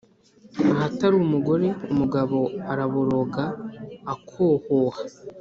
ahatari umugore, umugabo araboroga, akohoha.